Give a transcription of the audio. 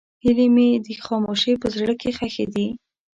هیلې مې د خاموشۍ په زړه کې ښخې دي.